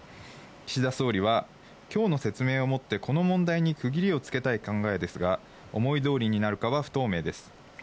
岸田総理は今日の説明を持って、この問題に区切りをつけたい考えですが、思い通りになるかは不透明です。